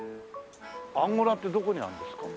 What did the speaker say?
アンゴラってどこにあるんですか？